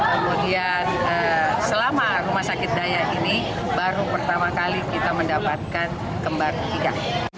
kemudian selama rumah sakit daya ini baru pertama kali kita mendapatkan kembar tiga